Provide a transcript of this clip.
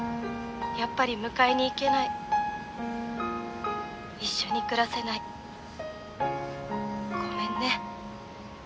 やっぱり迎えに行けない」「一緒に暮らせない」「ごめんね」